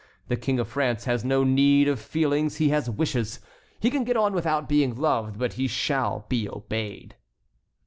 The King of France has no need of feelings, he has wishes. He can get on without being loved, but he shall be obeyed."